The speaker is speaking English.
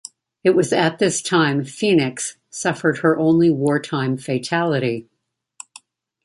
It was at this time "Phoenix" suffered her only wartime fatality.